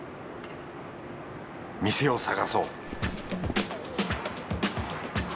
店を探そう